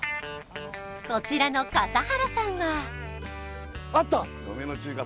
こちらの笠原さんはあった！